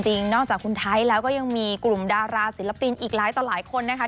นอกจากคุณไทยแล้วก็ยังมีกลุ่มดาราศิลปินอีกหลายต่อหลายคนนะคะ